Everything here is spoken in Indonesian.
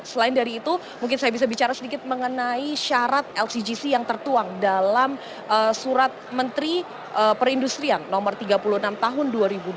selain dari itu mungkin saya bisa bicara sedikit mengenai syarat lcgc yang tertuang dalam surat menteri perindustrian no tiga puluh enam tahun dua ribu dua puluh